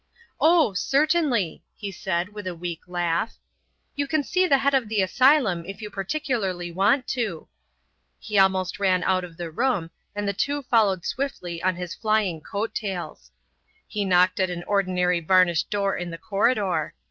"Oh, certainly," he said with a weak laugh. "You can see the head of the asylum if you particularly want to." He almost ran out of the room, and the two followed swiftly on his flying coat tails. He knocked at an ordinary varnished door in the corridor.